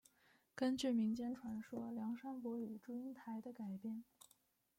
根据民间传说梁山伯与祝英台的改编。